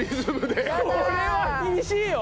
これは厳しいよ。